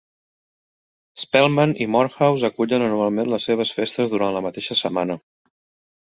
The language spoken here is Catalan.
Spelman i Morehouse acullen anualment les seves festes durant la mateixa setmana.